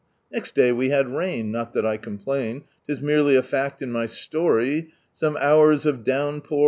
Next day we had rain Not that I complain, 'Tis merely a tact in my story, Some hours of downpour.